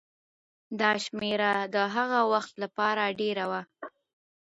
دا شمېره د هغه وخت لپاره ډېره وه.